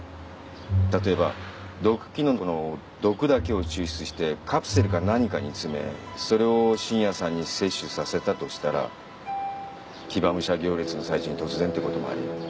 例えば毒キノコの毒だけを抽出してカプセルか何かに詰めそれを信也さんに摂取させたとしたら騎馬武者行列の最中に突然っていうこともあり得る。